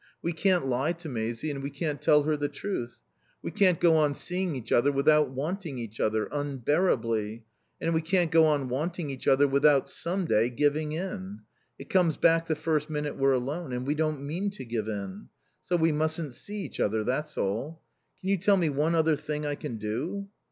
We can't lie to Maisie, and we can't tell her the truth. We can't go on seeing each other without wanting each other unbearably and we can't go on wanting each other without some day giving in. It comes back the first minute we're alone. And we don't mean to give in. So we mustn't see each other, that's all. Can you tell me one other thing I can do?"